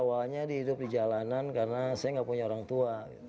dulu saya awalnya hidup di jalanan karena saya nggak punya orang tua